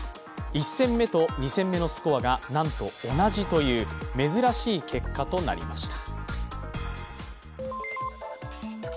１戦目と２戦目のスコアが、なんと同じという珍しい結果となりました。